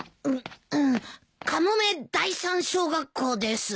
ううんかもめ第三小学校です。